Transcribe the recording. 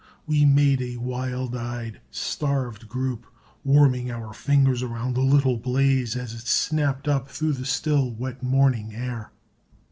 We made a wild eyed, starved group, warming our fingers around the little blaze as it snapped up through the still, wet morning air.